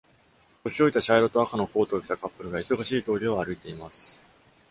年老いた茶色と赤のコートを着たカップルが、忙しい通りを歩いています。